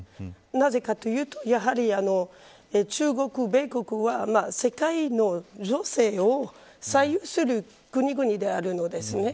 なぜかというとやはり中国、米国は世界の情勢を左右する国々であるんですね。